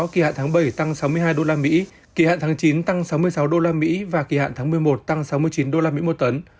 kỳ hạn tháng bảy tăng sáu mươi hai usd kỳ hạn tháng chín tăng sáu mươi sáu usd và kỳ hạn tháng một mươi một tăng sáu mươi chín usd một tấn